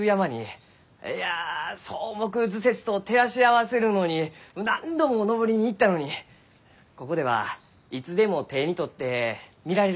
いや「草木図説」と照らし合わせるのに何度も登りに行ったのにここではいつでも手に取って見られるがですね。